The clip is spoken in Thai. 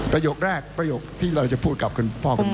ประโยคแรกประโยคที่เราจะพูดกับคุณพ่อคุณแม่